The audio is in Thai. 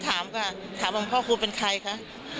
พอถามก็ถามว่าพ่อคูณเป็นใครคะ